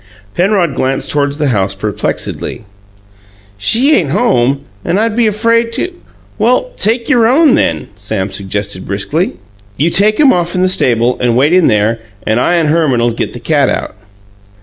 Penrod glanced toward the house perplexedly. "She ain't home, and I'd be afraid to " "Well, take your own, then," Sam suggested briskly. "You take 'em off in the stable, and wait in there, and I and Herman'll get the cat out."